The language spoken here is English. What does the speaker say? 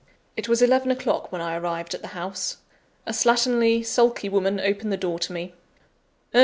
It was eleven o'clock when I arrived at the house. A slatternly, sulky woman opened the door to me. "Oh!